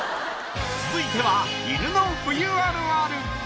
続いては犬の冬あるある